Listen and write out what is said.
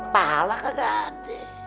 pahala kagak ada